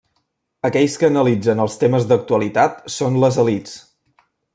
Aquells que analitzen els temes d'actualitat són les elits.